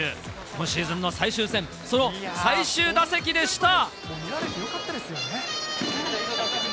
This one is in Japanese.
今シーズンの最終戦、その最終打席でした。